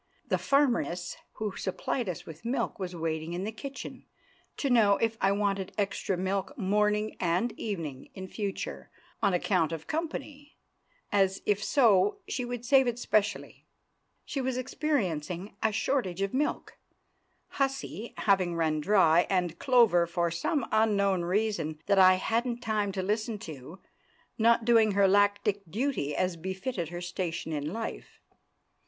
The farmeress who supplied us with milk was waiting in the kitchen to know if I wanted extra milk morning and evening in future, on account of company; as, if so, she would save it specially. She was experiencing a shortage of milk, "Hussy" having run dry, and "Clover," for some unknown reason that I hadn't time to listen to, not doing her lactic duty as befitted her station in life.